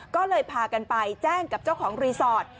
ก็เลยพากันไปแจ้งกับเจ้าของรีสอร์ท